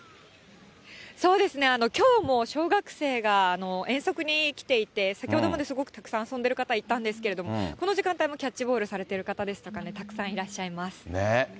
そうですね、きょうも小学生が遠足に来ていて、先ほどまですごくたくさん遊んでる方いたんですけれども、この時間帯もキャッチボールされてる方ですとか、たくさんいらっねぇ。